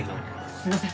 すみません。